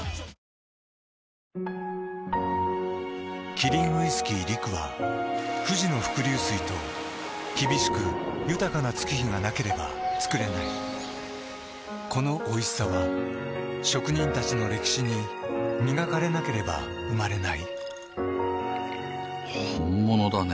キリンウイスキー「陸」は富士の伏流水と厳しく豊かな月日がなければつくれないこのおいしさは職人たちの歴史に磨かれなければ生まれない本物だね。